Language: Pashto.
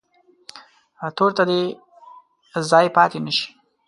تور ته دې ځای پاتې نه شي.